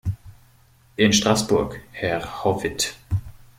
In Straßburg, Herr Howitt!